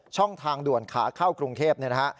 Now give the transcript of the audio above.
ช่องทางด่วนขาเข้ากรุงเทพเนี่ยนะฮะ